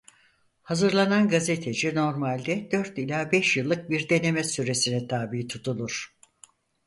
Hazırlanan gazeteci normalde dört ila beş yıllık bir deneme süresine tabi tutulur.